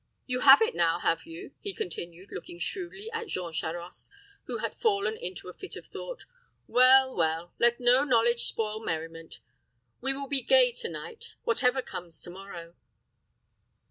you have it now, have you?" he continued, looking shrewdly at Jean Charost, who had fallen into a fit of thought. "Well well, let no knowledge spoil merriment. We will be gay to night, whatever comes to morrow."